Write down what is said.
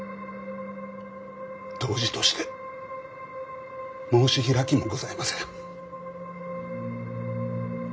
杜氏として申し開きもございません。